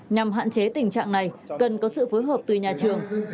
nhằm hạn chế tình trạng này cần có sự phối hợp từ nhà trường